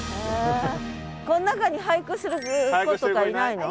この中に俳句する子とかいないの？